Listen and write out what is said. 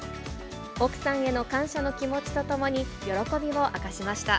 奥さんへの感謝の気持ちとともに、喜びを明かしました。